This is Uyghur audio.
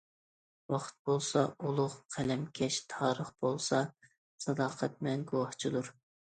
ۋاقىت بولسا، ئۇلۇغ قەلەمكەش، تارىخ بولسا، ساداقەتمەن گۇۋاھچىدۇر.